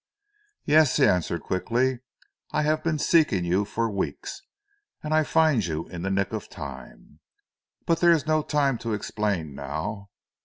"Yes," he answered quickly, "I have been seeking you for weeks, and I find you in the nick of time. But there is no time to explain now.